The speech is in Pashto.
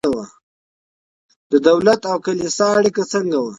د دولت او کلیسا اړیکه څنګه وه؟